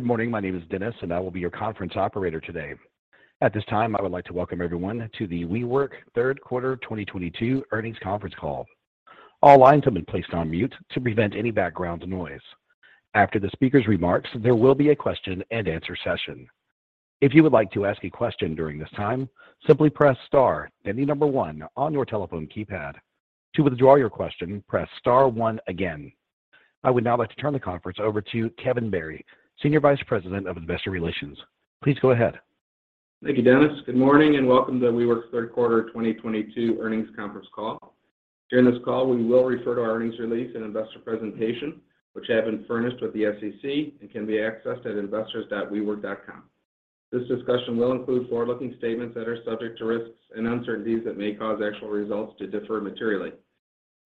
Good morning. My name is Dennis, and I will be your conference operator today. At this time, I would like to welcome everyone to the WeWork Third Quarter 2022 Earnings Conference Call. All lines have been placed on mute to prevent any background noise. After the speaker's remarks, there will be a question and answer session. If you would like to ask a question during this time, simply press star then the number one on your telephone keypad. To withdraw your question, press star one again. I would now like to turn the conference over to Kevin Berry, Senior Vice President of Investor Relations. Please go ahead. Thank you, Dennis. Good morning, and welcome to WeWork's third quarter 2022 earnings conference call. During this call, we will refer to our earnings release and investor presentation, which have been furnished with the SEC and can be accessed at investors.wework.com. This discussion will include forward-looking statements that are subject to risks and uncertainties that may cause actual results to differ materially.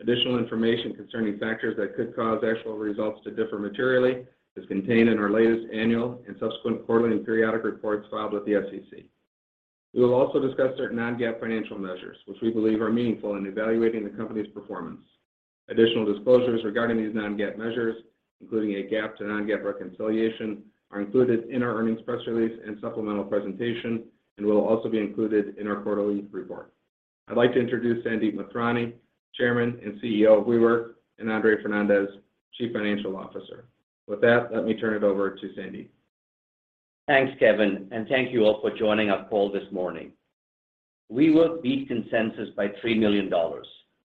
Additional information concerning factors that could cause actual results to differ materially is contained in our latest annual and subsequent quarterly and periodic reports filed with the SEC. We will also discuss certain non-GAAP financial measures which we believe are meaningful in evaluating the company's performance. Additional disclosures regarding these non-GAAP measures, including a GAAP to non-GAAP reconciliation, are included in our earnings press release and supplemental presentation and will also be included in our quarterly report. I'd like to introduce Sandeep Mathrani, Chairman and CEO of WeWork, and Andre Fernandez, Chief Financial Officer. With that, let me turn it over to Sandeep. Thanks, Kevin, and thank you all for joining our call this morning. WeWork beat consensus by $3 million.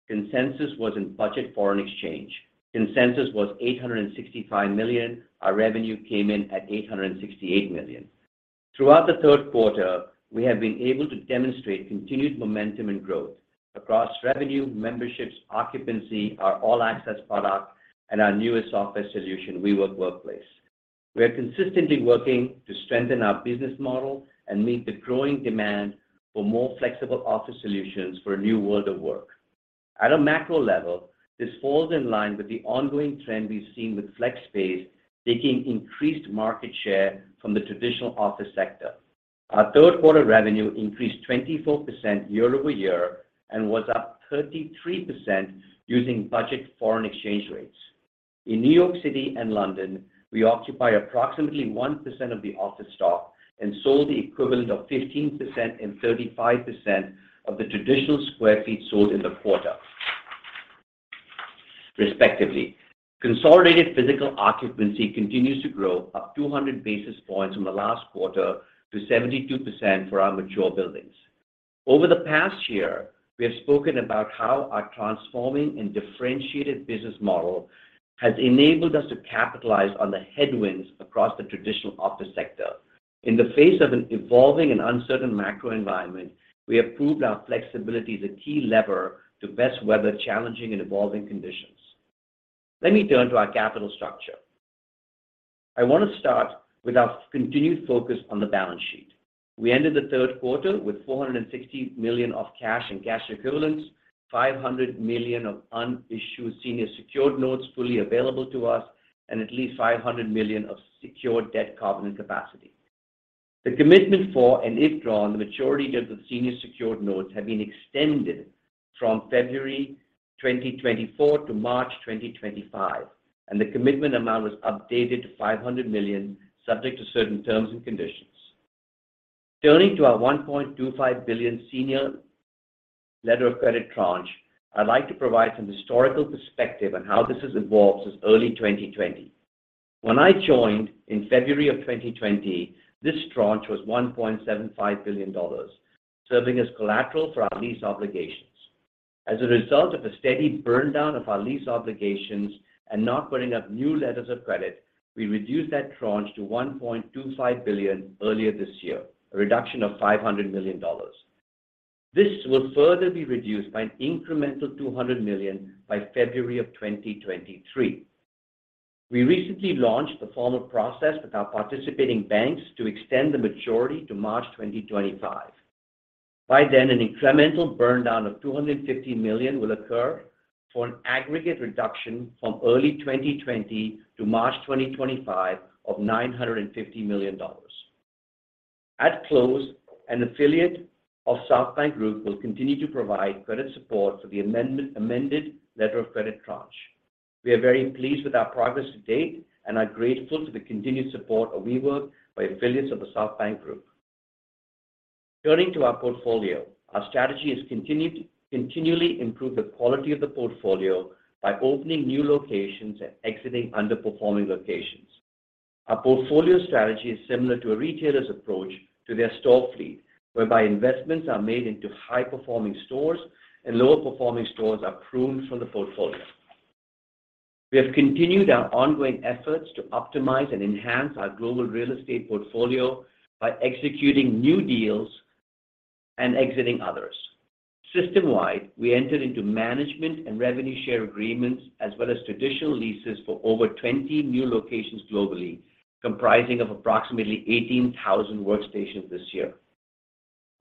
Consensus was in budget foreign exchange. Consensus was $865 million. Our revenue came in at $868 million. Throughout the third quarter, we have been able to demonstrate continued momentum and growth across revenue, memberships, occupancy, our All Access product, and our newest office solution, WeWork Workplace. We are consistently working to strengthen our business model and meet the growing demand for more flexible office solutions for a new world of work. At a macro level, this falls in line with the ongoing trend we've seen with flex space taking increased market share from the traditional office sector. Our third quarter revenue increased 24% year-over-year and was up 33% using budget foreign exchange rates. In New York City and London, we occupy approximately 1% of the office stock and sold the equivalent of 15% and 35% of the traditional square feet sold in the quarter respectively. Consolidated physical occupancy continues to grow up 200 basis points from the last quarter to 72% for our mature buildings. Over the past year, we have spoken about how our transforming and differentiated business model has enabled us to capitalize on the headwinds across the traditional office sector. In the face of an evolving and uncertain macro environment, we have proved our flexibility is a key lever to best weather challenging and evolving conditions. Let me turn to our capital structure. I want to start with our continued focus on the balance sheet. We ended the third quarter with $460 million of cash and cash equivalents, $500 million of unissued Senior Secured Notes fully available to us, and at least $500 million of secured debt covenant capacity. The commitment for and if drawn the maturity of the Senior Secured Notes have been extended from February 2024 to March 2025, and the commitment amount was updated to $500 million, subject to certain terms and conditions. Turning to our $1.25 billion senior letter of credit tranche, I'd like to provide some historical perspective on how this has evolved since early 2020. When I joined in February of 2020, this tranche was $1.75 billion dollars, serving as collateral for our lease obligations. As a result of a steady burn down of our lease obligations and not putting up new letters of credit, we reduced that tranche to $1.25 billion earlier this year, a reduction of $500 million. This will further be reduced by an incremental $200 million by February 2023. We recently launched the formal process with our participating banks to extend the maturity to March 2025. By then, an incremental burn down of $250 million will occur for an aggregate reduction from early 2020 to March 2025 of $950 million. At close, an affiliate of SoftBank Group will continue to provide credit support for the amended letter of credit tranche. We are very pleased with our progress to date and are grateful to the continued support of WeWork by affiliates of the SoftBank Group. Turning to our portfolio, our strategy is continually improve the quality of the portfolio by opening new locations and exiting underperforming locations. Our portfolio strategy is similar to a retailer's approach to their store fleet, whereby investments are made into high-performing stores and lower performing stores are pruned from the portfolio. We have continued our ongoing efforts to optimize and enhance our global real estate portfolio by executing new deals and exiting others. System-wide, we entered into management and revenue share agreements as well as traditional leases for over 20 new locations globally, comprising of approximately 18,000 workstations this year.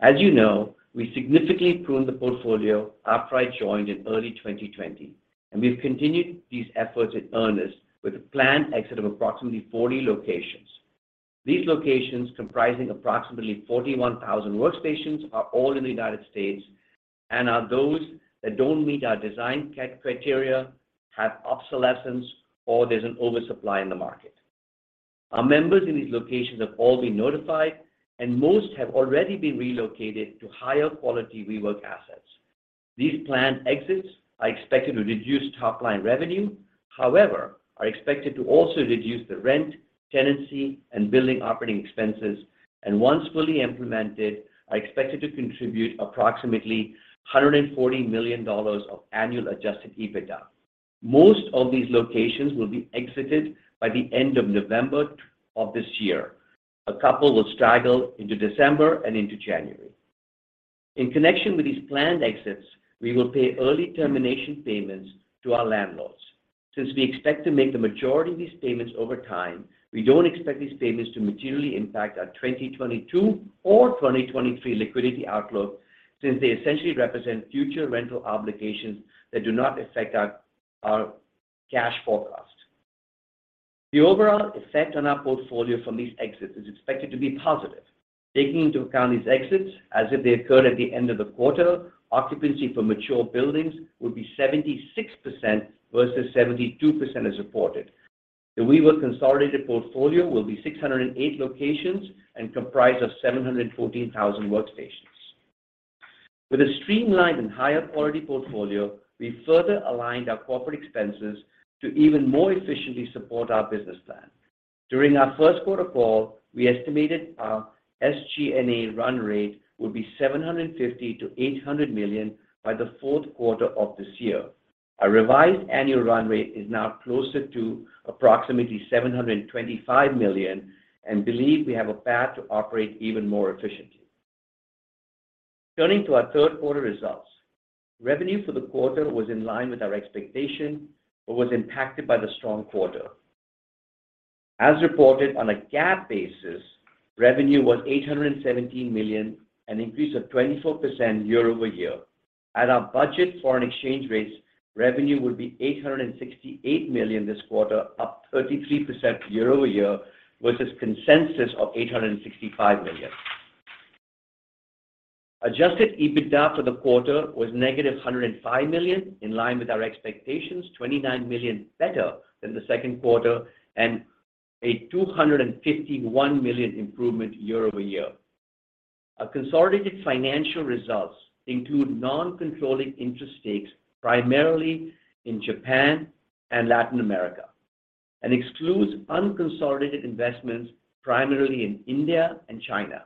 As you know, we significantly pruned the portfolio after I joined in early 2020, and we've continued these efforts in earnest with a planned exit of approximately 40 locations. These locations, comprising approximately 41,000 workstations, are all in the United States and are those that don't meet our design criteria, have obsolescence, or there's an oversupply in the market. Our members in these locations have all been notified, and most have already been relocated to higher quality WeWork assets. These planned exits are expected to reduce top-line revenue, however, are expected to also reduce the rent, tenancy, and building operating expenses, and once fully implemented, are expected to contribute approximately $140 million of annual Adjusted EBITDA. Most of these locations will be exited by the end of November of this year. A couple will straddle into December and into January. In connection with these planned exits, we will pay early termination payments to our landlords. Since we expect to make the majority of these payments over time, we don't expect these payments to materially impact our 2022 or 2023 liquidity outlook, since they essentially represent future rental obligations that do not affect our cash forecast. The overall effect on our portfolio from these exits is expected to be positive. Taking into account these exits, as if they occurred at the end of the quarter, occupancy for mature buildings would be 76% versus 72% as reported. The WeWork consolidated portfolio will be 608 locations and comprise of 714,000 workstations. With a streamlined and higher quality portfolio, we further aligned our corporate expenses to even more efficiently support our business plan. During our first quarter call, we estimated our SG&A run rate would be $750 million-$800 million by the fourth quarter of this year. Our revised annual run rate is now closer to approximately $725 million and we believe we have a path to operate even more efficiently. Turning to our third quarter results. Revenue for the quarter was in line with our expectation but was impacted by the strong dollar. As reported on a GAAP basis, revenue was $817 million, an increase of 24% year-over-year. At our budget foreign exchange rates, revenue would be $868 million this quarter, up 33% year-over-year, versus consensus of $865 million. Adjusted EBITDA for the quarter was -$105 million, in line with our expectations, $29 million better than the second quarter, and a $251 million improvement year over year. Our consolidated financial results include non-controlling interest stakes, primarily in Japan and Latin America, and excludes unconsolidated investments, primarily in India and China.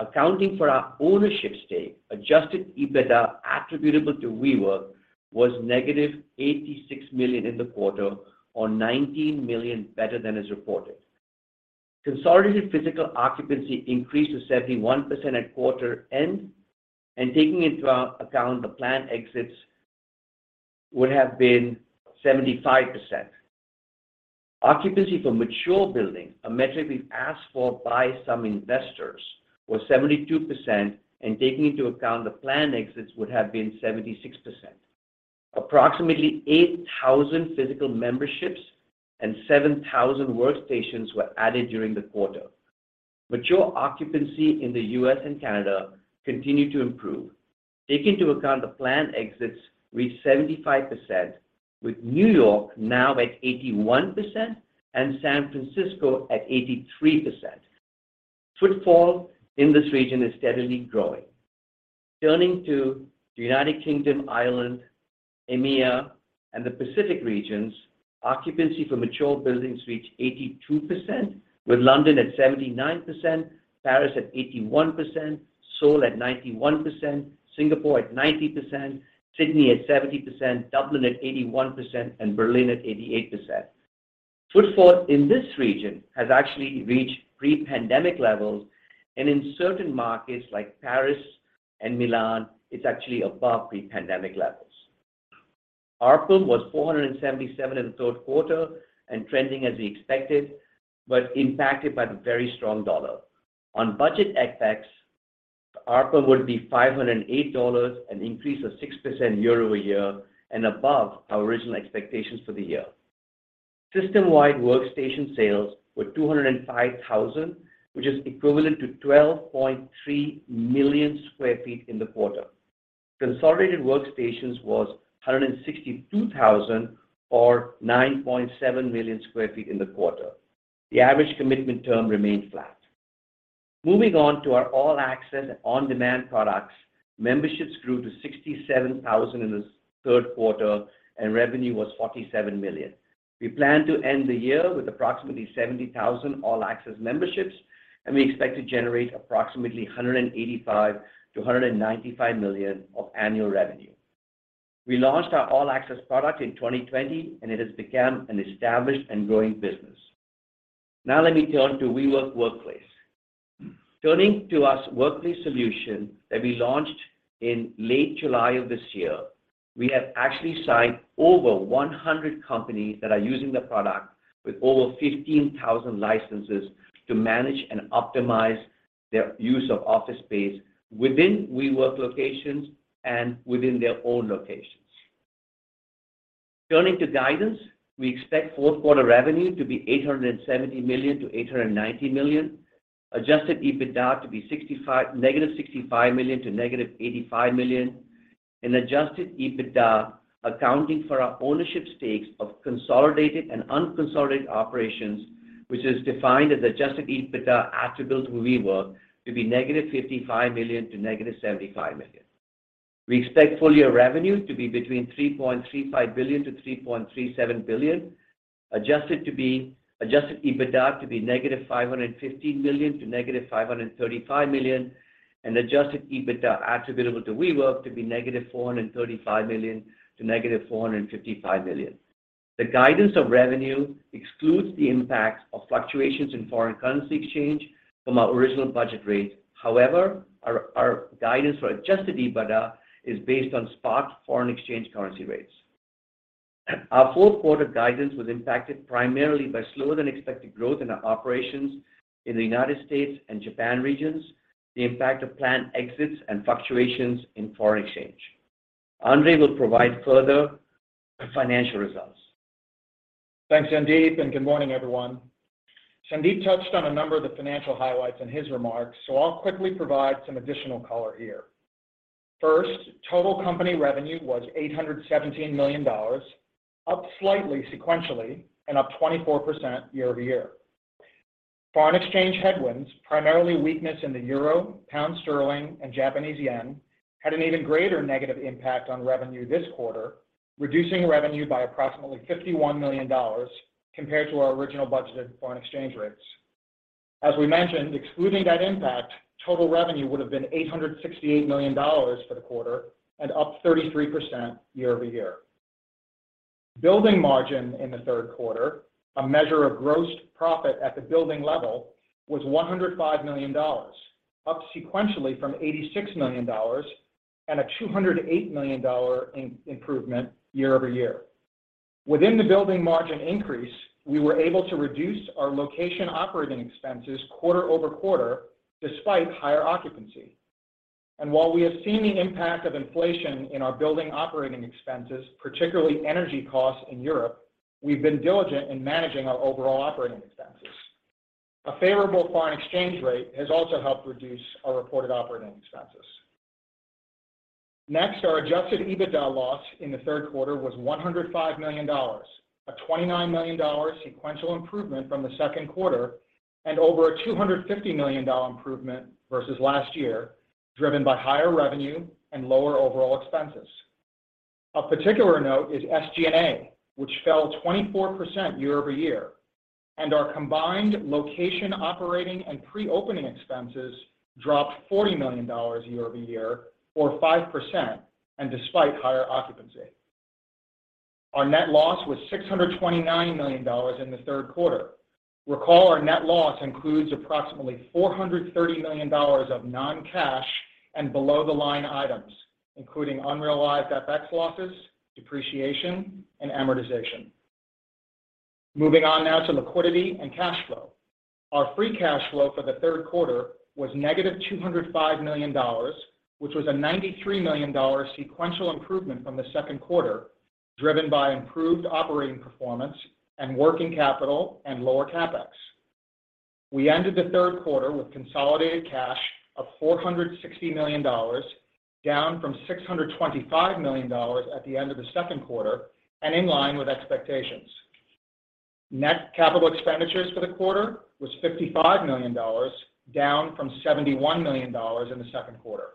Accounting for our ownership stake, adjusted EBITDA attributable to WeWork was -$86 million in the quarter, or $19 million better than as reported. Consolidated physical occupancy increased to 71% at quarter end, and taking into account the planned exits would have been 75%. Occupancy for mature buildings, a metric we've asked for by some investors, was 72%, and taking into account the planned exits, would have been 76%. Approximately 8,000 physical memberships and 7,000 workstations were added during the quarter. Mature occupancy in the US and Canada continued to improve. Taking into account the planned exits reached 75%, with New York now at 81% and San Francisco at 83%. Footfall in this region is steadily growing. Turning to the United Kingdom, Ireland, EMEA, and the Pacific regions, occupancy for mature buildings reached 82%, with London at 79%, Paris at 81%, Seoul at 91%, Singapore at 90%, Sydney at 70%, Dublin at 81%, and Berlin at 88%. Footfall in this region has actually reached pre-pandemic levels, and in certain markets like Paris and Milan, it's actually above pre-pandemic levels. ARPU was $477 in the third quarter and trending as we expected, but impacted by the very strong dollar. On budget FX, ARPU would be $508, an increase of 6% year-over-year and above our original expectations for the year. System-wide workstation sales were 205,000, which is equivalent to 12.3 million sq ft in the quarter. Consolidated workstations was 162,000 or 9.7 million sq ft in the quarter. The average commitment term remained flat. Moving on to our All Access and On Demand products, memberships grew to 67,000 in the third quarter and revenue was $47 million. We plan to end the year with approximately 70,000 All Access memberships, and we expect to generate approximately $185 million-$195 million of annual revenue. We launched our All Access product in 2020, and it has become an established and growing business. Now let me turn to WeWork Workplace. Turning to our Workplace solution that we launched in late July of this year, we have actually signed over 100 companies that are using the product with over 15,000 licenses to manage and optimize their use of office space within WeWork locations and within their own locations. Turning to guidance, we expect fourth quarter revenue to be $870 million-$890 million, Adjusted EBITDA to be -$65 million to -$85 million, and Adjusted EBITDA accounting for our ownership stakes of consolidated and unconsolidated operations, which is defined as Adjusted EBITDA attributable to WeWork to be -$55 million to -$75 million. We expect full year revenue to be between $3.35 billion-$3.37 billion, Adjusted EBITDA to be -$550 million to -$535 million, and Adjusted EBITDA Attributable to WeWork to be -$435 million to -$455 million. The guidance of revenue excludes the impact of fluctuations in foreign currency exchange from our original budget rate. However, our guidance for Adjusted EBITDA is based on spot foreign exchange currency rates. Our fourth quarter guidance was impacted primarily by slower than expected growth in our operations in the United States and Japan regions, the impact of planned exits and fluctuations in foreign exchange. Andre will provide further financial results. Thanks, Sandeep, and good morning, everyone. Sandeep touched on a number of the financial highlights in his remarks, so I'll quickly provide some additional color here. First, total company revenue was $817 million, up slightly sequentially and up 24% year-over-year. Foreign exchange headwinds, primarily weakness in the euro, pound sterling, and Japanese yen, had an even greater negative impact on revenue this quarter, reducing revenue by approximately $51 million compared to our original budgeted foreign exchange rates. As we mentioned, excluding that impact, total revenue would have been $868 million for the quarter and up 33% year-over-year. Building margin in the third quarter, a measure of gross profit at the building level, was $105 million, up sequentially from $86 million and a $208 million improvement year-over-year. Within the building margin increase, we were able to reduce our location operating expenses quarter-over-quarter despite higher occupancy. While we have seen the impact of inflation in our building operating expenses, particularly energy costs in Europe, we've been diligent in managing our overall operating expenses. A favorable foreign exchange rate has also helped reduce our reported operating expenses. Next, our Adjusted EBITDA loss in the third quarter was $105 million, a $29 million sequential improvement from the second quarter and over a $250 million improvement versus last year, driven by higher revenue and lower overall expenses. Of particular note is SG&A, which fell 24% year-over-year, and our combined location operating and pre-opening expenses dropped $40 million year-over-year, or 5%, and despite higher occupancy. Our net loss was $629 million in the third quarter. Recall, our net loss includes approximately $430 million of non-cash and below-the-line items, including unrealized FX losses, depreciation, and amortization. Moving on now to liquidity and cash flow. Our Free Cash Flow for the third quarter was negative $205 million, which was a $93 million sequential improvement from the second quarter, driven by improved operating performance and working capital and lower CapEx. We ended the third quarter with consolidated cash of $460 million, down from $625 million at the end of the second quarter and in line with expectations. Net capital expenditures for the quarter was $55 million, down from $71 million in the second quarter.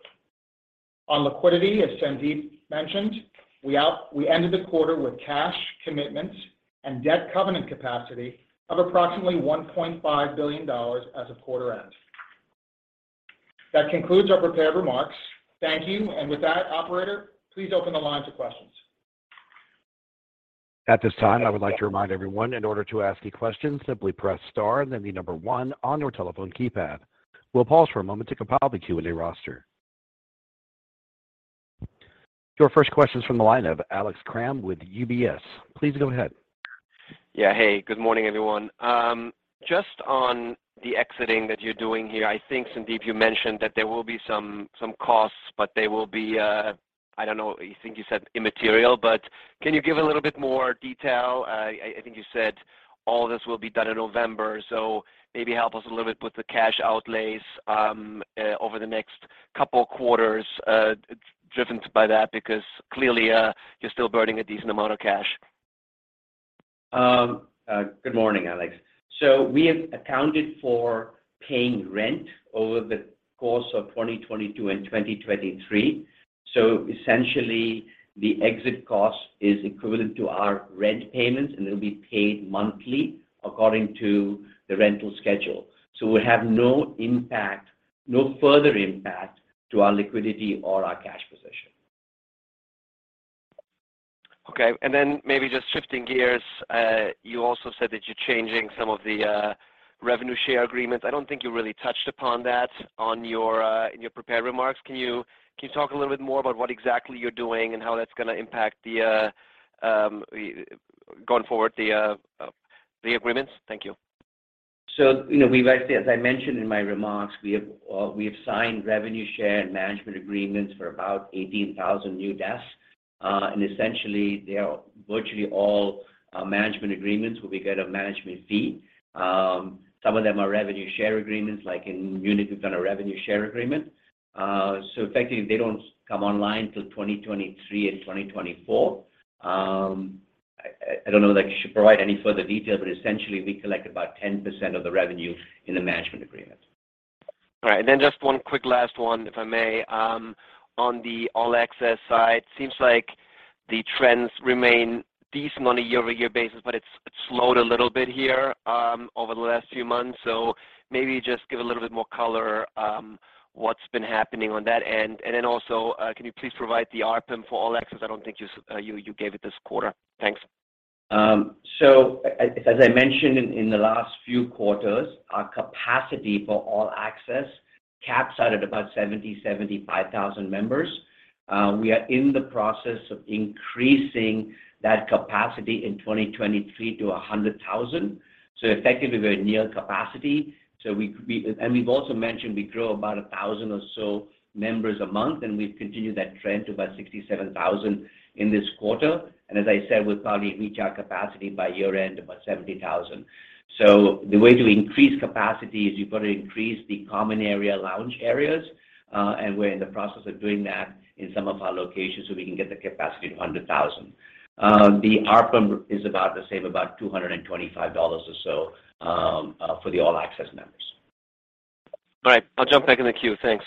On liquidity, as Sandeep mentioned, we ended the quarter with cash commitments and debt covenant capacity of approximately $1.5 billion as of quarter end. That concludes our prepared remarks. Thank you. With that, operator, please open the line to questions. At this time, I would like to remind everyone, in order to ask a question, simply press star and then the number one on your telephone keypad. We'll pause for a moment to compile the Q&A roster. Your first question is from the line of Alex Kramm with UBS. Please go ahead. Yeah. Hey, good morning, everyone. Just on the exiting that you're doing here, I think Sandeep, you mentioned that there will be some costs, but they will be, I don't know, I think you said immaterial, but can you give a little bit more detail? I think you said all this will be done in November, so maybe help us a little bit with the cash outlays over the next couple quarters, driven by that, because clearly, you're still burning a decent amount of cash. Good morning, Alex. We have accounted for paying rent over the course of 2022 and 2023. Essentially, the exit cost is equivalent to our rent payments, and it'll be paid monthly according to the rental schedule. We have no impact, no further impact to our liquidity or our cash position. Okay. Maybe just shifting gears, you also said that you're changing some of the revenue share agreements. I don't think you really touched upon that in your prepared remarks. Can you talk a little bit more about what exactly you're doing and how that's gonna impact the agreements going forward? Thank you. You know, we've actually, as I mentioned in my remarks, we have signed revenue share and management agreements for about 18,000 new desks. Essentially, they are virtually all management agreements where we get a management fee. Some of them are revenue share agreements, like in Munich, we've done a revenue share agreement. Effectively, they don't come online till 2023 and 2024. I don't know that I should provide any further detail, but essentially, we collect about 10% of the revenue in the management agreement. All right. Just one quick last one, if I may. On the All Access side, seems like the trends remain decent on a year-over-year basis, but it's slowed a little bit here over the last few months. Maybe just give a little bit more color, what's been happening on that end. Also, can you please provide the ARPM for All Access? I don't think you gave it this quarter. Thanks. As I mentioned in the last few quarters, our capacity for All Access caps out at about 70,000-75,000 members. We are in the process of increasing that capacity in 2023 to 100,000. Effectively, we're near capacity. We've also mentioned we grow about 1,000 or so members a month, and we've continued that trend to about 67,000 in this quarter. As I said, we'll probably reach our capacity by year-end, about 70,000. The way to increase capacity is you've got to increase the common area lounge areas, and we're in the process of doing that in some of our locations so we can get the capacity to 100,000. The ARPM is about the same, about $225 or so, for the All Access members. All right. I'll jump back in the queue. Thanks.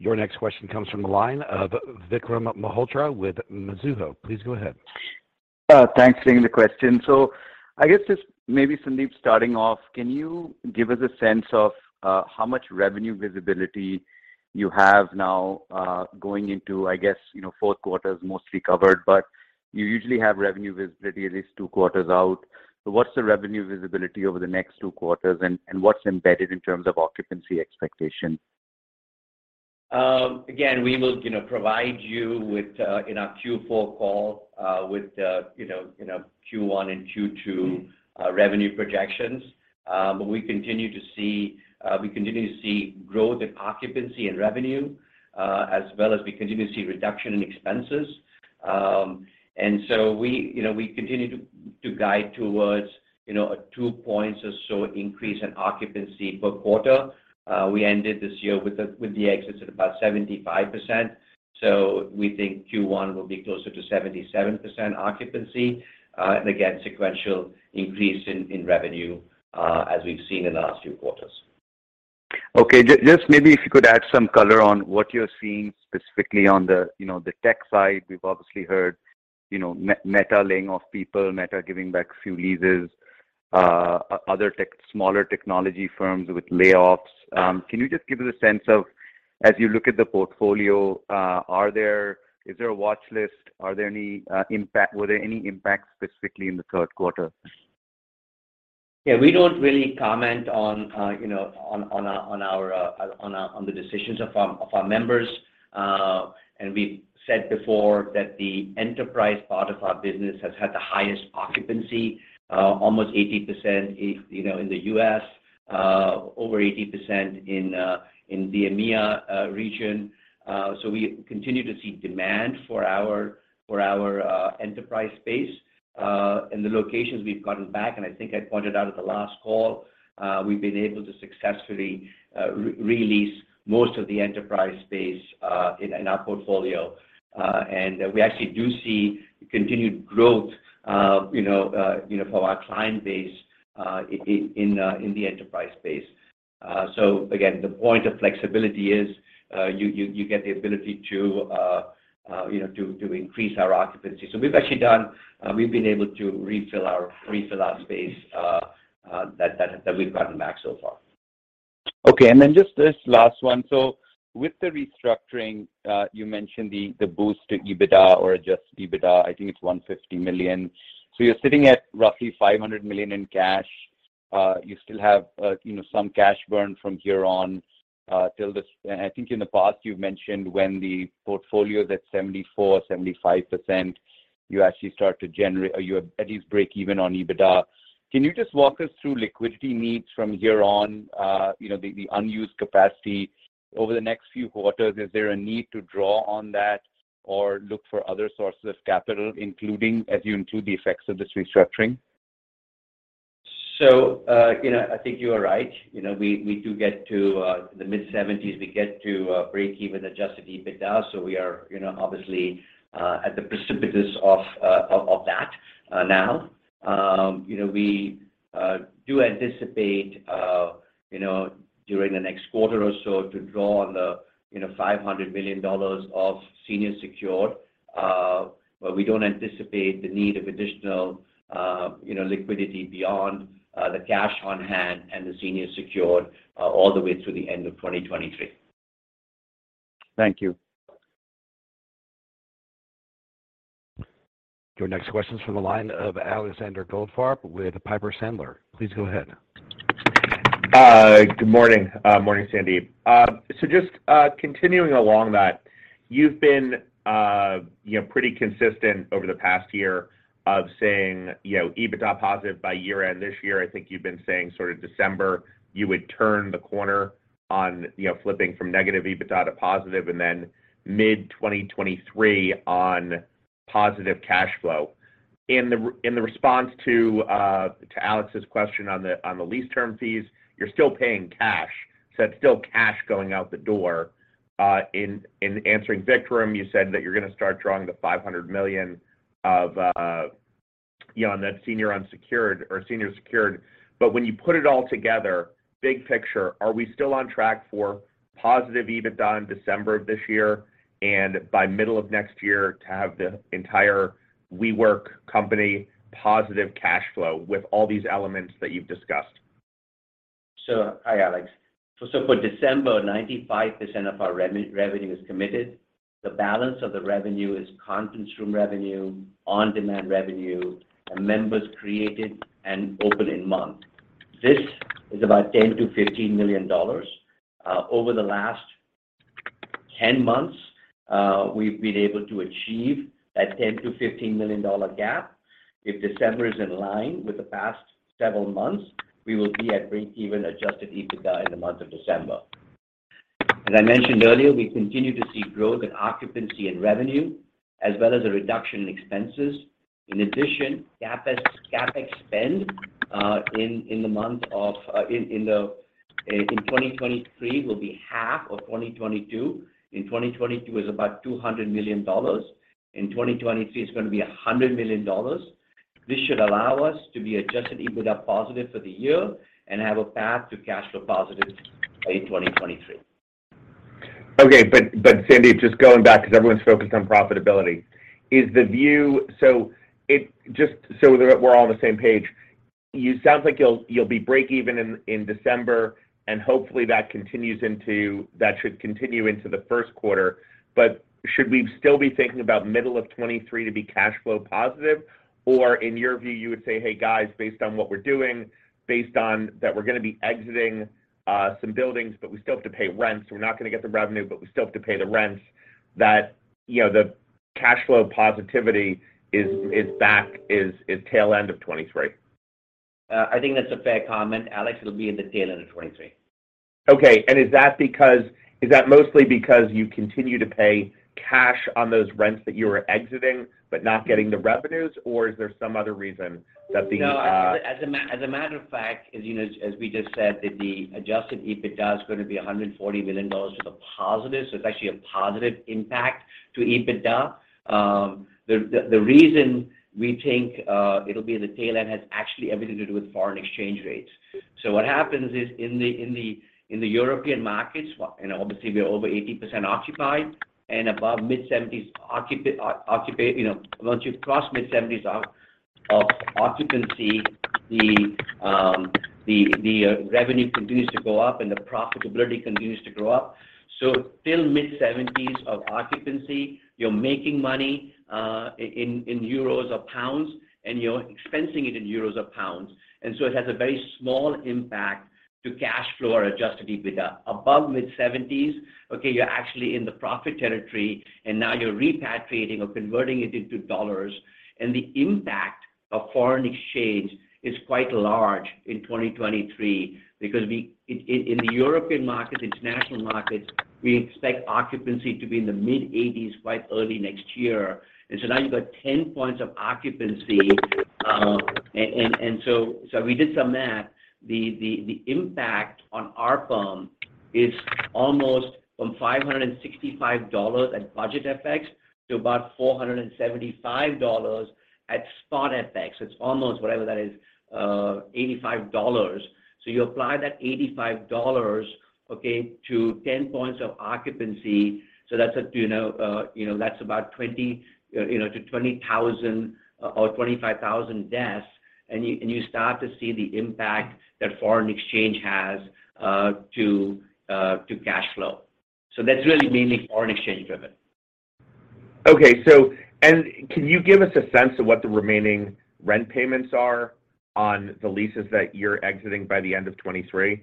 Your next question comes from the line of Vikram Malhotra with Mizuho. Please go ahead. Thanks for taking the question. I guess just maybe, Sandeep, starting off, can you give us a sense of, how much revenue visibility you have now, going into, I guess, you know, fourth quarter is mostly covered, but you usually have revenue visibility at least two quarters out. What's the revenue visibility over the next two quarters and what's embedded in terms of occupancy expectations? Again, we will, you know, provide you with, in our Q4 call, you know, Q1 and Q2 revenue projections. We continue to see growth in occupancy and revenue, as well as we continue to see reduction in expenses. We, you know, continue to guide towards, you know, a 2 points or so increase in occupancy per quarter. We ended this year with the exits at about 75%. We think Q1 will be closer to 77% occupancy, and again, sequential increase in revenue, as we've seen in the last few quarters. Okay. Just maybe if you could add some color on what you're seeing specifically on the, you know, the tech side. We've obviously heard, you know, Meta laying off people, Meta giving back a few leases, other tech, smaller technology firms with layoffs. Can you just give us a sense of, as you look at the portfolio, is there a watch list? Are there any impacts specifically in the third quarter? Yeah, we don't really comment on the decisions of our members. We said before that the enterprise part of our business has had the highest occupancy almost 80% in the US over 80% in the EMEA region. We continue to see demand for our enterprise space in the locations we've gotten back. I think I pointed out at the last call we've been able to successfully re-release most of the enterprise space in our portfolio. We actually do see continued growth for our client base in the enterprise space. Again, the point of flexibility is, you get the ability to, you know, to increase our occupancy. We've been able to refill our space that we've gotten back so far. Okay. Just this last one. With the restructuring, you mentioned the boost to EBITDA or Adjusted EBITDA, I think it's $150 million. You're sitting at roughly $500 million in cash. You still have, you know, some cash burn from here on, I think in the past you've mentioned when the portfolio is at 74%-75%, you actually start to generate or you at least break even on EBITDA. Can you just walk us through liquidity needs from here on? You know, the unused capacity over the next few quarters, is there a need to draw on that or look for other sources of capital, including as you include the effects of this restructuring? You know, I think you are right. You know, we do get to the mid-seventies, we get to break even Adjusted EBITDA. We are, you know, obviously, at the precipice of that now. You know, we do anticipate, you know, during the next quarter or so to draw on the, you know, $500 million of senior secured, but we don't anticipate the need of additional, you know, liquidity beyond the cash on hand and the senior secured all the way through the end of 2023. Thank you. Your next question is from the line of Alexander Goldfarb with Piper Sandler. Please go ahead. Good morning. Morning, Sandeep. So just continuing along that, you've been, you know, pretty consistent over the past year of saying, you know, EBITDA positive by year-end this year. I think you've been saying sort of December you would turn the corner on, you know, flipping from negative EBITDA to positive, and then mid-2023 on positive cash flow. In the response to Alex's question on the lease term fees, you're still paying cash, so that's still cash going out the door. In answering Vikram, you said that you're gonna start drawing the $500 million of, you know, on that senior unsecured or senior secured. When you put it all together, big picture, are we still on track for positive EBITDA in December of this year, and by middle of next year to have the entire WeWork company positive cash flow with all these elements that you've discussed? Hi, Alex. For December, 95% of our revenue is committed. The balance of the revenue is conference room revenue, On Demand revenue, and members created and open in month. This is about $10 million-$15 million. Over the last 10 months, we've been able to achieve that $10 million-$15 million gap. If December is in line with the past several months, we will be at breakeven Adjusted EBITDA in the month of December. As I mentioned earlier, we continue to see growth in occupancy and revenue, as well as a reduction in expenses. In addition, CapEx spend in 2023 will be half of 2022. In 2022 is about $200 million. In 2023, it's gonna be $100 million. This should allow us to be Adjusted EBITDA positive for the year and have a path to cash flow positive by 2023. Okay, Sandeep, just going back because everyone's focused on profitability. So that we're all on the same page, you sound like you'll be breakeven in December, and hopefully that continues, that should continue into the first quarter. Should we still be thinking about middle of 2023 to be cash flow positive? Or in your view, you would say, "Hey guys, based on what we're doing, based on that we're gonna be exiting some buildings, but we still have to pay rent, so we're not gonna get the revenue, but we still have to pay the rents," that, you know, the cash flow positivity is back, is tail end of 2023. I think that's a fair comment, Alex. It'll be in the tail end of 2023. Okay. Is that mostly because you continue to pay cash on those rents that you were exiting but not getting the revenues? Or is there some other reason that the. No. As a matter of fact, as you know, as we just said, that the Adjusted EBITDA is gonna be $140 million to the positive, so it's actually a positive impact to EBITDA. The reason we think it'll be in the tail end has actually everything to do with foreign exchange rates. What happens is in the European markets, well, and obviously we're over 80% occupied and above mid-70s% occupancy. You know, once you cross mid-70s% occupancy, the revenue continues to go up and the profitability continues to grow up. Till mid-70s% occupancy, you're making money in euros or pounds, and you're expensing it in euros or pounds. It has a very small impact to cash flow or Adjusted EBITDA. Above mid-70s, okay, you're actually in the profit territory, and now you're repatriating or converting it into dollars. The impact of foreign exchange is quite large in 2023 because in the European markets, international markets, we expect occupancy to be in the mid-80s quite early next year. Now you've got 10 points of occupancy. We did some math. The impact on ARPU is almost from $565 at budget FX to about $475 at spot FX. It's almost, whatever that is, $85. You apply that $85, okay, to 10 points of occupancy. That's, you know, about 20,000 to 25,000 desks, and you start to see the impact that foreign exchange has on cash flow. That's really mainly foreign exchange driven. Okay. Can you give us a sense of what the remaining rent payments are on the leases that you're exiting by the end of 2023?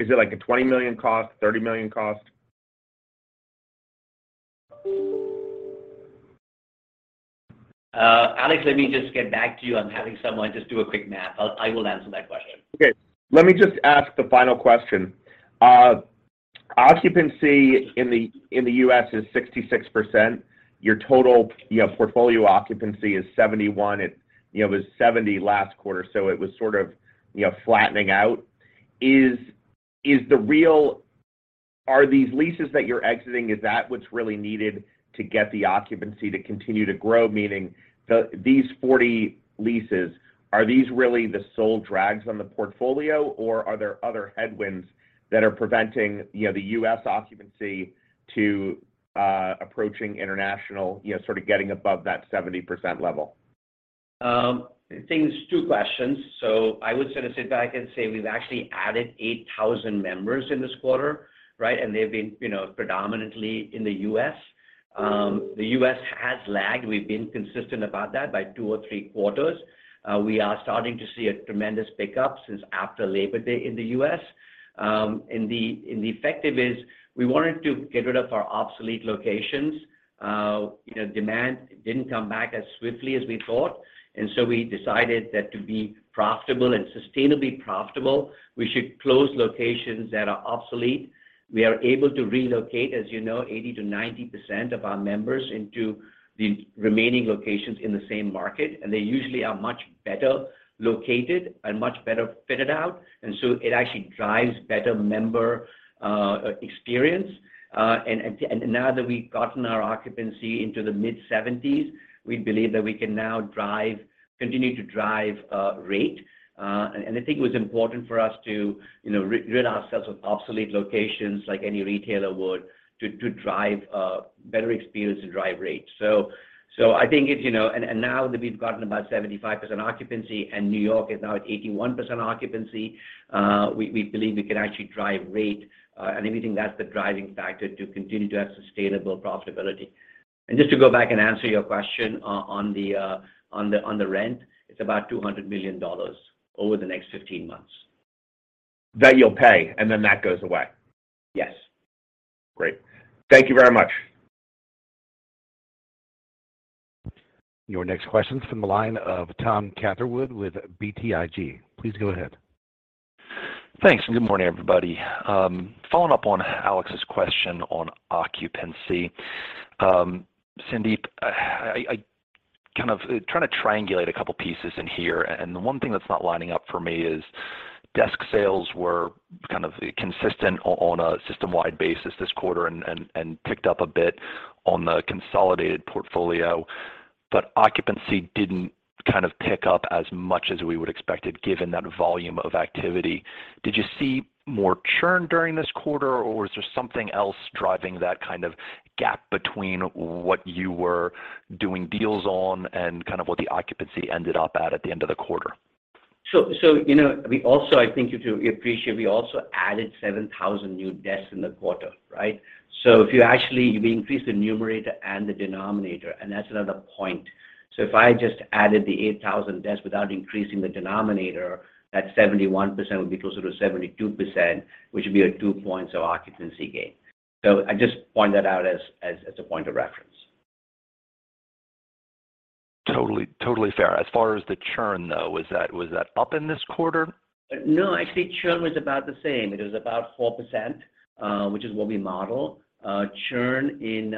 Is it like a $20 million cost, $30 million cost? Alex, let me just get back to you. I'm having someone just do a quick math. I will answer that question. Okay. Let me just ask the final question. Occupancy in the U.S. is 66%. Your total, you know, portfolio occupancy is 71. It, you know, was 70 last quarter, so it was sort of, you know, flattening out. Are these leases that you're exiting, is that what's really needed to get the occupancy to continue to grow? Meaning the, these 40 leases, are these really the sole drags on the portfolio, or are there other headwinds that are preventing, you know, the U.S. occupancy to approaching international, you know, sort of getting above that 70% level? I think it's two questions. I would sort of sit back and say we've actually added 8,000 members in this quarter, right? And they've been, you know, predominantly in the U.S. The U.S. has lagged. We've been consistent about that by two or three quarters. We are starting to see a tremendous pickup since after Labor Day in the U.S. The effect is we wanted to get rid of our obsolete locations. You know, demand didn't come back as swiftly as we thought, and so we decided that to be profitable and sustainably profitable, we should close locations that are obsolete. We are able to relocate, as you know, 80%-90% of our members into the remaining locations in the same market, and they usually are much better located and much better fitted out, and so it actually drives better member experience. Now that we've gotten our occupancy into the mid-70s, we believe that we can now continue to drive rate. I think it was important for us to, you know, rid ourselves of obsolete locations like any retailer would to drive better experience and drive rates. So I think it's, you know. Now that we've gotten about 75% occupancy and New York is now at 81% occupancy, we believe we can actually drive rate, and we think that's the driving factor to continue to have sustainable profitability. Just to go back and answer your question on the rent, it's about $200 million over the next 15 months. That you'll pay, and then that goes away. Yes. Great. Thank you very much. Your next question's from the line of Tom Catherwood with BTIG. Please go ahead. Thanks, and good morning, everybody. Following up on Alex's question on occupancy, Sandeep, I kind of trying to triangulate a couple pieces in here, and the one thing that's not lining up for me is desk sales were kind of consistent on a system-wide basis this quarter and picked up a bit on the consolidated portfolio. Occupancy didn't kind of pick up as much as we would expected given that volume of activity. Did you see more churn during this quarter, or was there something else driving that kind of gap between what you were doing deals on and kind of what the occupancy ended up at the end of the quarter? You know, I think you do appreciate we also added 7,000 new desks in the quarter, right? We increased the numerator and the denominator, and that's another point. If I just added the 8,000 desks without increasing the denominator, that 71% would be closer to 72%, which would be 2 points of occupancy gain. I just point that out as a point of reference. Totally, totally fair. As far as the churn, though, was that up in this quarter? No, actually, churn was about the same. It was about 4%, which is what we model. Churn in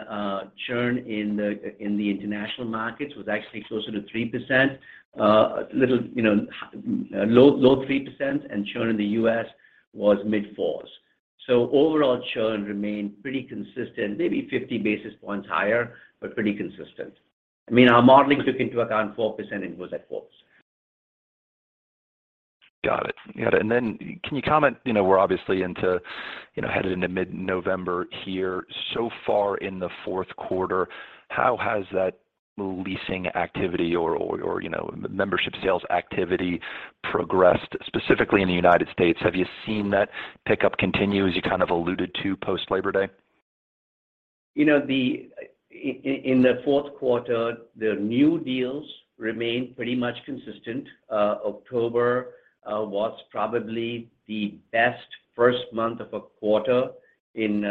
the international markets was actually closer to 3%, little, you know, low 3%, and churn in the US was mid-4s. Overall churn remained pretty consistent, maybe 50 basis points higher, but pretty consistent. I mean, our modeling took into account 4%, and it was at 4s. Got it. Can you comment, you know, we're obviously into, you know, headed into mid-November here. So far in the fourth quarter, how has that leasing activity or, you know, membership sales activity progressed, specifically in the United States? Have you seen that pickup continue as you kind of alluded to post Labor Day? You know, in the fourth quarter, the new deals remained pretty much consistent. October was probably the best first month of a quarter in,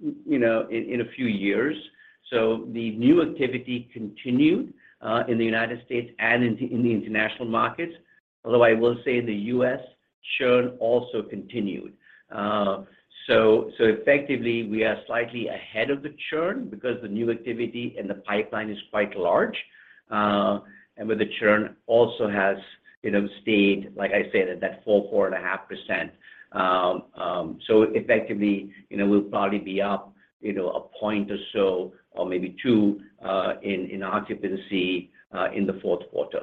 you know, in a few years. The new activity continued in the United States and in the international markets, although I will say the U.S. churn also continued. Effectively, we are slightly ahead of the churn because the new activity in the pipeline is quite large, and with the churn also has, you know, stayed, like I said, at that 4.5%. Effectively, you know, we'll probably be up, you know, 1 point or so, or maybe 2 in occupancy in the fourth quarter.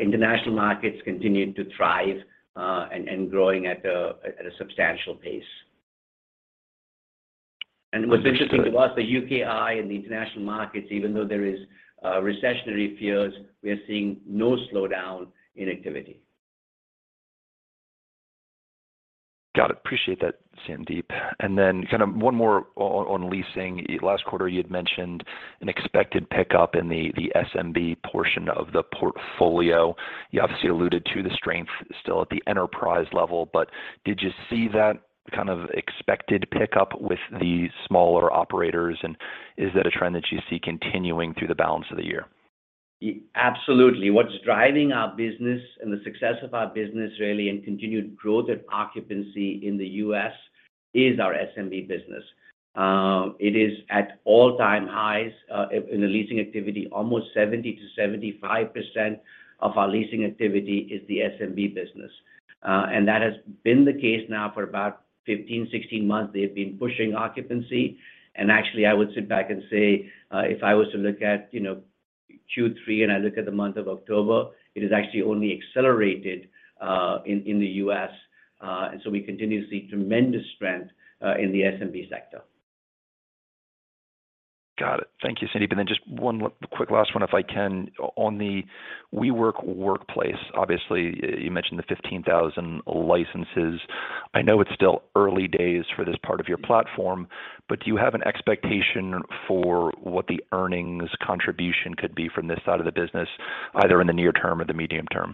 International markets continue to thrive and growing at a substantial pace. What's interesting to us, the UKI and the international markets, even though there is recessionary fears, we are seeing no slowdown in activity. Got it. Appreciate that, Sandeep. Kind of one more on leasing. Last quarter you had mentioned an expected pickup in the SMB portion of the portfolio. You obviously alluded to the strength still at the enterprise level, but did you see that kind of expected pickup with the smaller operators, and is that a trend that you see continuing through the balance of the year? Absolutely. What's driving our business and the success of our business really and continued growth of occupancy in the U.S. is our SMB business. It is at all-time highs in the leasing activity. Almost 70%-75% of our leasing activity is the SMB business. That has been the case now for about 15-16 months. They've been pushing occupancy. Actually, I would sit back and say, if I was to look at, you know, Q3 and I look at the month of October, it has actually only accelerated in the U.S. We continue to see tremendous strength in the SMB sector. Got it. Thank you, Sandeep. just one quick last one if I can. On the WeWork Workplace, obviously you mentioned the 15,000 licenses. I know it's still early days for this part of your platform, but do you have an expectation for what the earnings contribution could be from this side of the business, either in the near term or the medium term?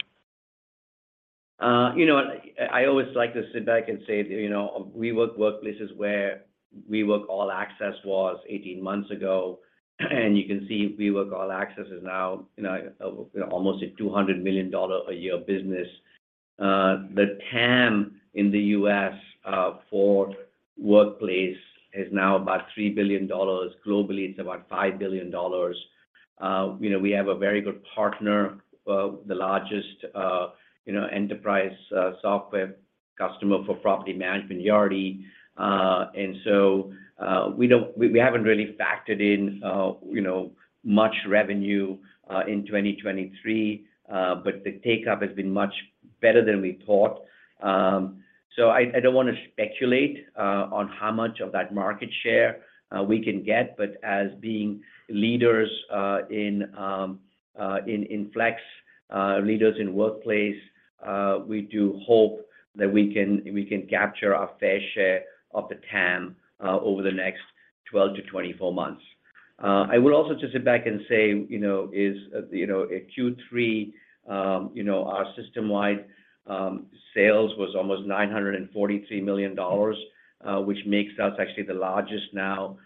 You know, I always like to sit back and say, you know, WeWork Workplace is where WeWork All Access was 18 months ago. You can see WeWork All Access is now, you know, almost a $200 million a year business. The TAM in the U.S. for Workplace is now about $3 billion. Globally, it's about $5 billion. You know, we have a very good partner, the largest, you know, enterprise software customer for property management, Yardi. We haven't really factored in, you know, much revenue in 2023, but the take-up has been much better than we thought. I don't wanna speculate on how much of that market share we can get. As being leaders in flex leaders in workplace, we do hope that we can capture our fair share of the TAM over the next 12-24 months. I would also just sit back and say, you know, in Q3, you know, our system-wide sales was almost $943 million, which makes us actually the largest now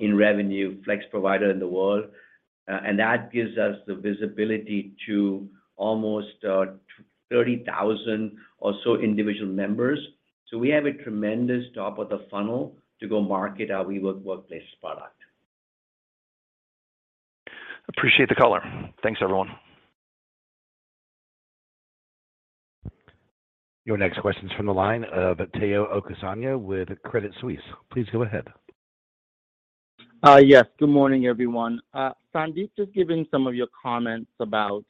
in revenue flex provider in the world. That gives us the visibility to almost 30,000 or so individual members. We have a tremendous top of the funnel to go market our WeWork Workplace product. Appreciate the color. Thanks everyone. Your next question's from the line of Tayo Okusanya with Credit Suisse. Please go ahead. Yes. Good morning, everyone. Sandeep, just given some of your comments about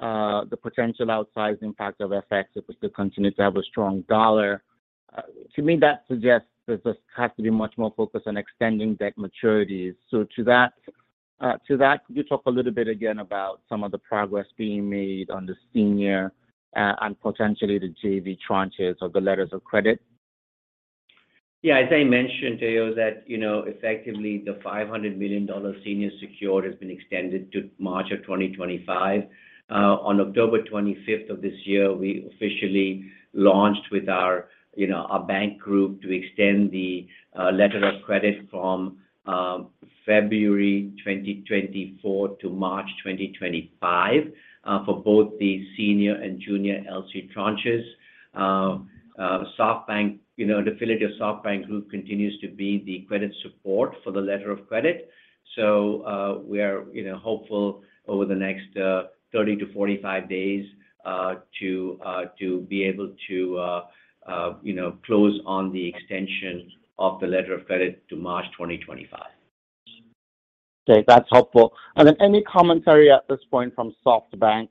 the potential outsized impact of FX if we still continue to have a strong dollar, to me that suggests that this has to be much more focused on extending debt maturities. To that, could you talk a little bit again about some of the progress being made on the senior and potentially the JV tranches of the letters of credit? Yeah. As I mentioned, Tayo, that, you know, effectively the $500 million senior secured has been extended to March 2025. On October 25th of this year, we officially launched with our, you know, our bank group to extend the letter of credit from February 2024 to March 2025 for both the senior and junior LC tranches. SoftBank, you know, an affiliate of SoftBank Group continues to be the credit support for the letter of credit. We are, you know, hopeful over the next 30-45 days to be able to close on the extension of the letter of credit to March 2025. Okay. That's helpful. Then any commentary at this point from SoftBank,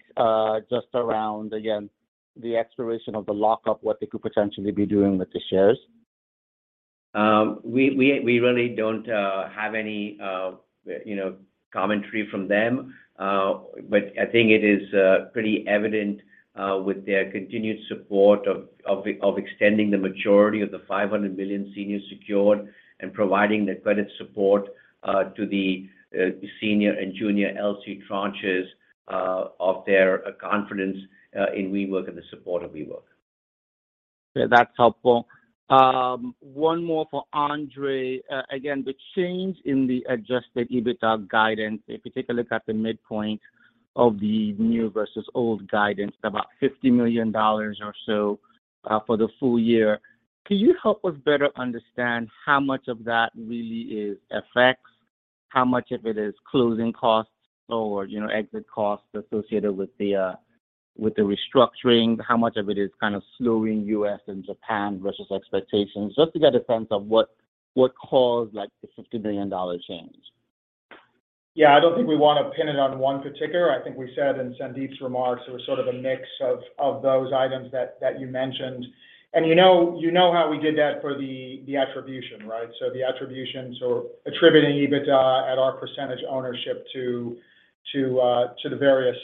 just around, again, the expiration of the lock-up, what they could potentially be doing with the shares? We really don't have any, you know, commentary from them. I think it is pretty evident with their continued support of extending the maturity of the $500 million senior secured and providing the credit support to the senior and junior LC tranches of their confidence in WeWork and the support of WeWork. Yeah, that's helpful. One more for Andre. Again, the change in the Adjusted EBITDA guidance, if you take a look at the midpoint of the new versus old guidance, about $50 million or so, for the full year. Can you help us better understand how much of that really is FX? How much of it is closing costs or, you know, exit costs associated with the restructuring? How much of it is kind of slowing U.S. and Japan versus expectations? Just to get a sense of what caused like the $50 million change. Yeah. I don't think we wanna pin it on one particular. I think we said in Sandeep's remarks it was sort of a mix of those items that you mentioned. You know how we did that for the attribution, right? The attribution, attributing EBITDA at our percentage ownership to the various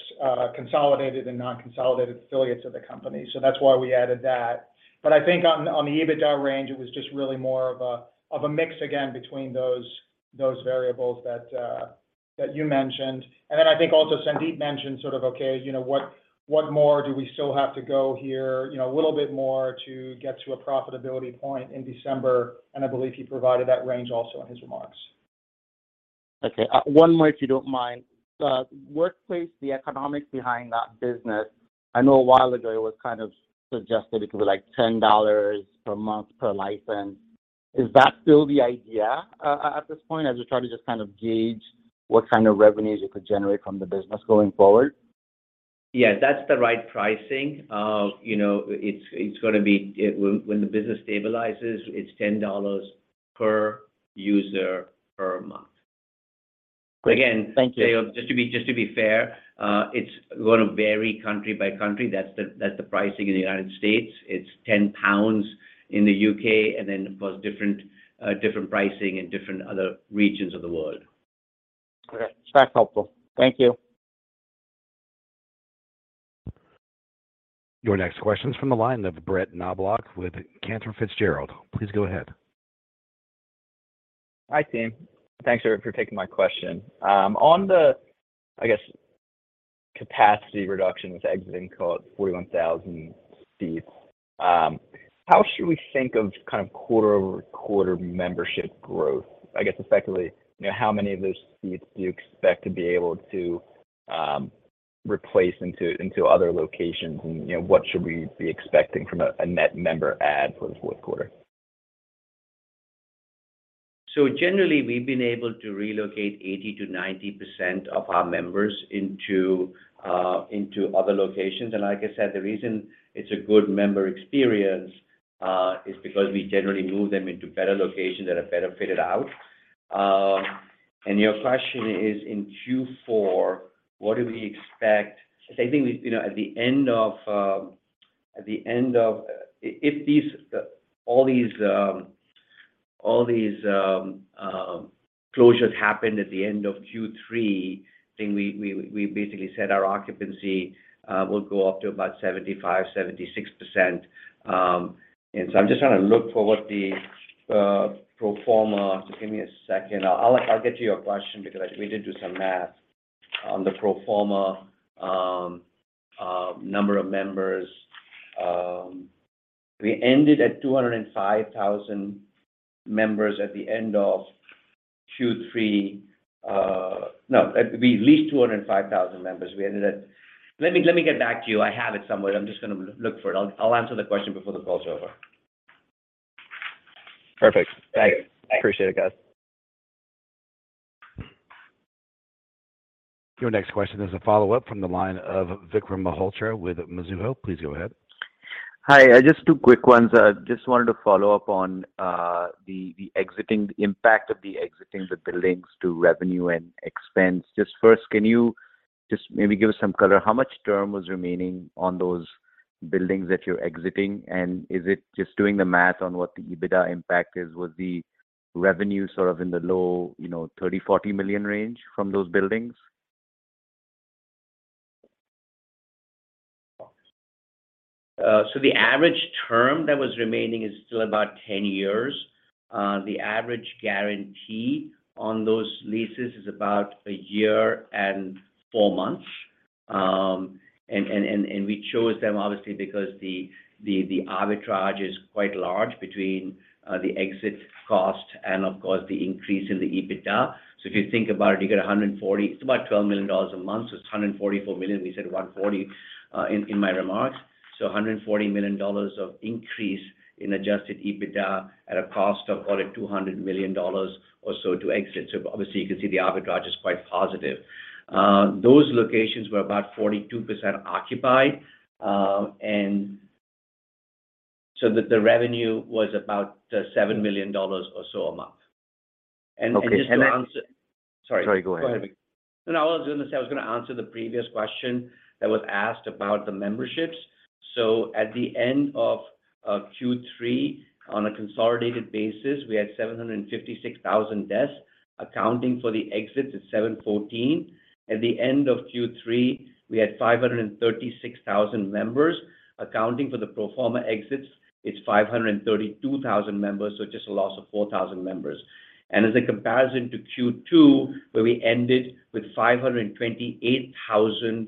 consolidated and non-consolidated affiliates of the company. That's why we added that. I think on the EBITDA range, it was just really more of a mix again between those variables that you mentioned. I think also Sandeep mentioned sort of, okay, you know, what more do we still have to go here, you know, a little bit more to get to a profitability point in December. I believe he provided that range also in his remarks. Okay. One more if you don't mind. The Workplace, the economics behind that business, I know a while ago it was kind of suggested it could be like $10 per month per license. Is that still the idea, at this point? I'm just trying to just kind of gauge what kind of revenues you could generate from the business going forward. Yeah. That's the right pricing. You know, when the business stabilizes, it's $10 per user per month. Great. Thank you. Again, Tayo, just to be fair, it's gonna vary country by country. That's the pricing in the United States. It's 10 pounds in the UK, and then, of course, different pricing in different other regions of the world. Okay. That's helpful. Thank you. Your next question is from the line of Brett Knoblauch with Cantor Fitzgerald. Please go ahead. Hi, team. Thanks for taking my question. On the, I guess, capacity reduction with exiting call it 41,000 seats, how should we think of kind of quarter-over-quarter membership growth? I guess effectively, you know, how many of those seats do you expect to be able to replace into other locations and, you know, what should we be expecting from a net member add for the fourth quarter? Generally, we've been able to relocate 80%-90% of our members into other locations. Like I said, the reason it's a good member experience is because we generally move them into better locations that are better fitted out. Your question is in Q4, what do we expect? If these all these closures happened at the end of Q3, then we basically said our occupancy will go up to about 75%-76%. I'm just trying to look for what the pro forma. Give me a second. I'll get to your question because we did do some math on the pro forma number of members. We ended at 205,000 members at the end of Q3. No, we leased 205,000 members. Let me get back to you. I have it somewhere. I'm just gonna look for it. I'll answer the question before the call's over. Perfect. Thank you. Appreciate it, guys. Your next question is a follow-up from the line of Vikram Malhotra with Mizuho. Please go ahead. Hi. Just two quick ones. I just wanted to follow up on the impact of exiting the buildings to revenue and expense. Just first, can you just maybe give us some color? How much term was remaining on those buildings that you're exiting? And is it just doing the math on what the EBITDA impact is? Was the revenue sort of in the low $30 million-$40 million range from those buildings? The average term that was remaining is still about 10 years. The average guarantee on those leases is about a year and four months. We chose them obviously because the arbitrage is quite large between the exit cost and of course the increase in the EBITDA. If you think about it, you get 140. It's about $12 million a month, so it's $144 million. We said 140 in my remarks. A hundred and forty million dollars of increase in Adjusted EBITDA at a cost of call it $200 million or so to exit. Obviously you can see the arbitrage is quite positive. Those locations were about 42% occupied, and so the revenue was about $7 million or so a month. Just to answer- Okay. Sorry. Sorry, go ahead. Go ahead, No, I was gonna say, I was gonna answer the previous question that was asked about the memberships. At the end of Q3 on a consolidated basis, we had 756,000 desks. Accounting for the exits, it's 714. At the end of Q3, we had 536,000 members. Accounting for the pro forma exits, it's 532,000 members, so just a loss of 4,000 members. As a comparison to Q2, where we ended with 528,000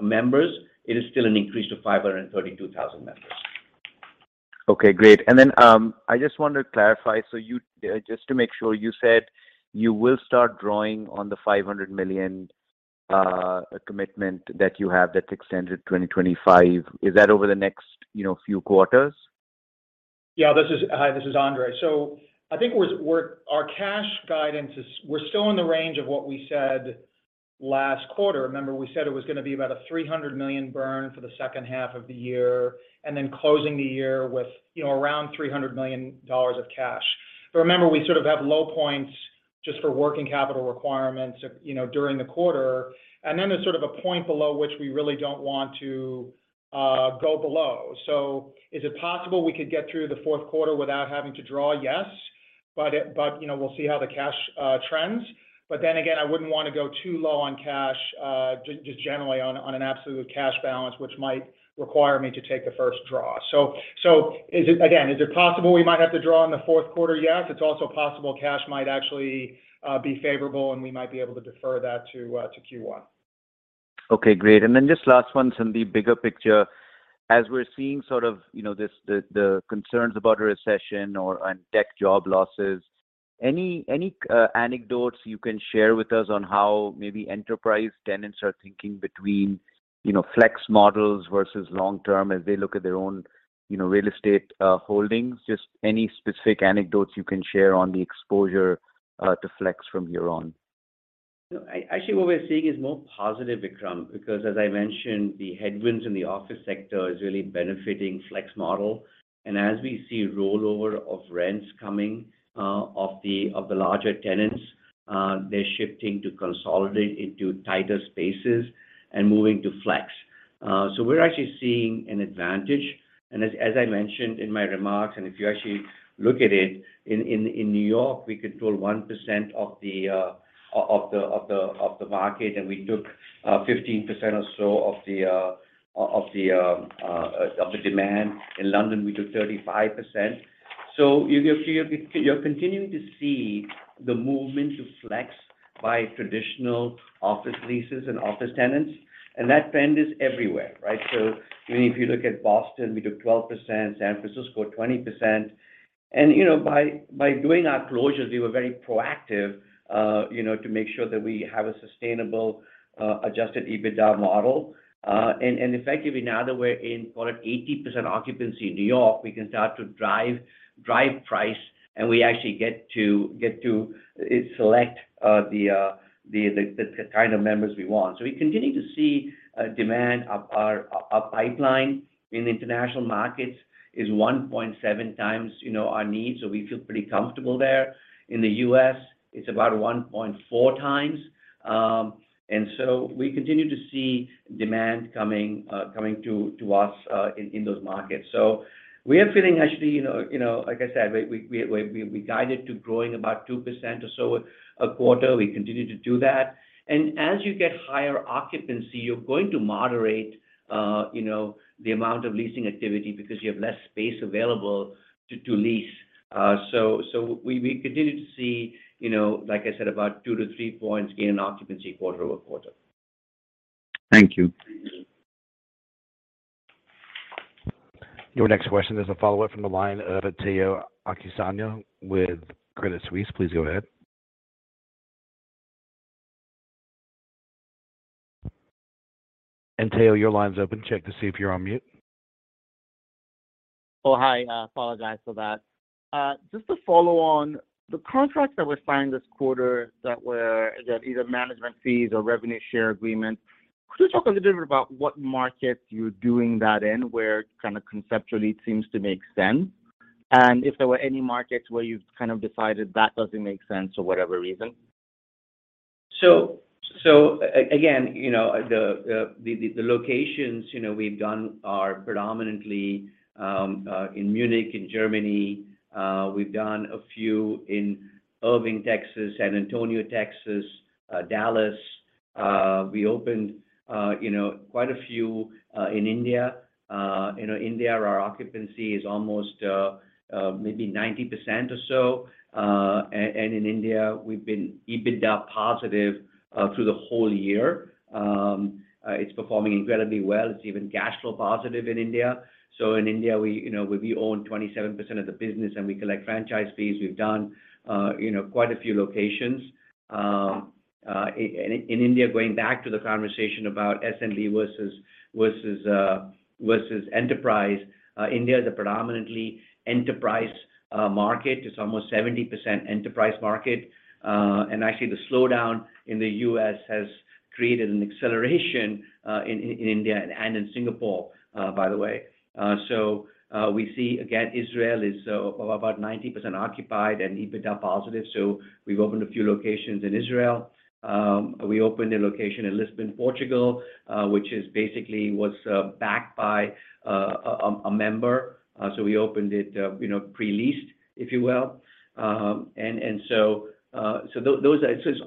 members, it is still an increase to 532,000 members. Okay, great. I just wanted to clarify. Just to make sure, you said you will start drawing on the $500 million commitment that you have that's extended to 2025. Is that over the next, you know, few quarters? Hi, this is Andre. I think we're still in the range of what we said last quarter. Remember we said it was gonna be about a $300 million burn for the second half of the year, and then closing the year with, you know, around $300 million of cash. But remember, we sort of have low points just for working capital requirements, you know, during the quarter, and then there's sort of a point below which we really don't want to go below. Is it possible we could get through the fourth quarter without having to draw? Yes. But, you know, we'll see how the cash trends. I wouldn't wanna go too low on cash, just generally on an absolute cash balance, which might require me to take the first draw. Again, is it possible we might have to draw in the fourth quarter? Yes. It's also possible cash might actually be favorable, and we might be able to defer that to Q1. Okay, great. Just last one from the bigger picture. As we're seeing sort of, you know, the concerns about a recession or tech job losses, any anecdotes you can share with us on how maybe enterprise tenants are thinking between, you know, flex models versus long term as they look at their own, you know, real estate holdings? Just any specific anecdotes you can share on the exposure to flex from here on. You know, actually what we're seeing is more positive, Vikram, because as I mentioned, the headwinds in the office sector is really benefiting flex model. As we see rollover of rents coming of the larger tenants, they're shifting to consolidate into tighter spaces and moving to flex. We're actually seeing an advantage. As I mentioned in my remarks, and if you actually look at it, in New York, we control 1% of the market, and we took 15% or so of the demand. In London, we took 35%. You're continuing to see the movement to flex by traditional office leases and office tenants, and that trend is everywhere, right? Even if you look at Boston, we took 12%, San Francisco, 20%. You know, by doing our closures, we were very proactive, you know, to make sure that we have a sustainable Adjusted EBITDA model. And effectively now that we're in call it 80% occupancy in New York, we can start to drive price, and we actually get to select the kind of members we want. We continue to see demand. Our pipeline in international markets is 1.7x, you know, our needs, so we feel pretty comfortable there. In the U.S., it's about 1.4x. We continue to see demand coming to us in those markets. We are feeling actually, you know, like I said, we guided to growing about 2% or so a quarter. We continue to do that. As you get higher occupancy, you're going to moderate, you know, the amount of leasing activity because you have less space available to lease. We continue to see, you know, like I said, about 2-3 points gain in occupancy quarter-over-quarter. Thank you. Your next question is a follow-up from the line of Tayo Okusanya with Credit Suisse. Please go ahead. Tayo, your line's open. Check to see if you're on mute. Oh, hi. Apologize for that. Just to follow on the contracts that were signed this quarter that were either management fees or revenue share agreement, could you talk a little bit about what markets you're doing that in, where kind of conceptually it seems to make sense? If there were any markets where you've kind of decided that doesn't make sense for whatever reason. Again, you know, the locations you know we've done are predominantly in Munich, in Germany. We've done a few in Irving, Texas, San Antonio, Texas, Dallas. We opened you know quite a few in India. You know, India, our occupancy is almost maybe 90% or so. In India, we've been EBITDA positive through the whole year. It's performing incredibly well. It's even cash flow positive in India. In India, you know, we own 27% of the business, and we collect franchise fees. We've done you know quite a few locations. In India, going back to the conversation about SMB versus enterprise, India is a predominantly enterprise market. It's almost 70% enterprise market. Actually the slowdown in the U.S. has created an acceleration in India and in Singapore, by the way. We see again, Israel is about 90% occupied and EBITDA positive, so we've opened a few locations in Israel. We opened a location in Lisbon, Portugal, which was basically backed by a member. We opened it you know pre-leased, if you will. It's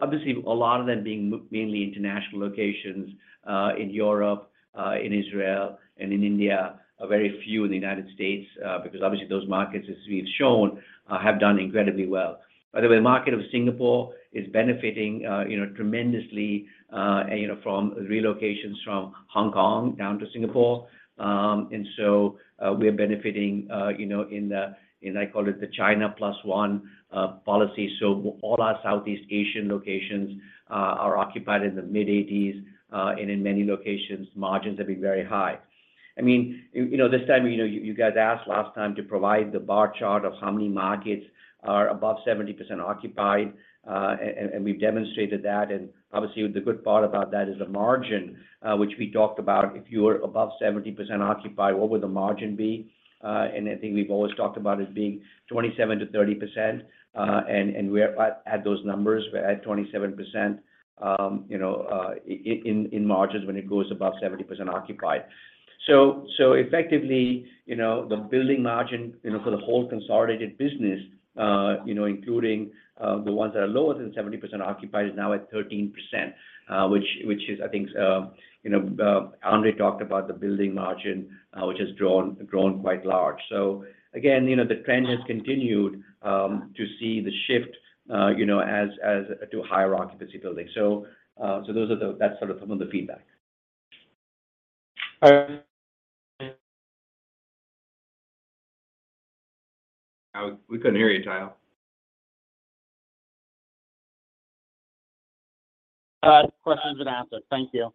obviously a lot of them being mainly international locations in Europe in Israel and in India, a very few in the United States because obviously those markets, as we've shown, have done incredibly well. By the way, market of Singapore is benefiting you know tremendously you know from relocations from Hong Kong down to Singapore. We are benefiting, you know, in the, I call it the China Plus One policy. All our Southeast Asian locations are occupied in the mid-80s%, and in many locations, margins have been very high. I mean, you know, this time, you know, you guys asked last time to provide the bar chart of how many markets are above 70% occupied, and we've demonstrated that. Obviously, the good part about that is the margin, which we talked about. If you are above 70% occupied, what would the margin be? I think we've always talked about it being 27%-30%. And we're at those numbers. We're at 27%, you know, in margins when it goes above 70% occupied. Effectively, you know, the building margin, you know, for the whole consolidated business, including the ones that are lower than 70% occupied is now at 13%, which is I think, you know, Andre talked about the building margin, which has grown quite large. Again, you know, the trend has continued to see the shift, you know, as to higher occupancy building. That's sort of some of the feedback. All right. We couldn't hear you, Tayo. Question's been answered. Thank you.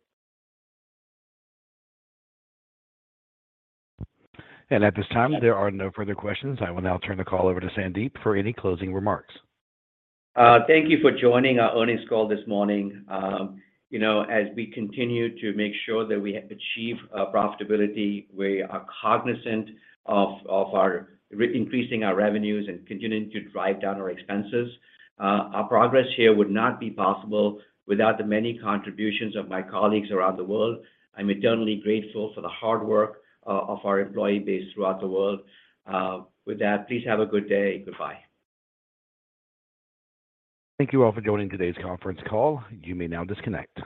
At this time, there are no further questions. I will now turn the call over to Sandeep for any closing remarks. Thank you for joining our earnings call this morning. You know, as we continue to make sure that we achieve profitability, we are cognizant of our re-increasing our revenues and continuing to drive down our expenses. Our progress here would not be possible without the many contributions of my colleagues around the world. I'm eternally grateful for the hard work of our employee base throughout the world. With that, please have a good day. Goodbye. Thank you all for joining today's conference call. You may now disconnect.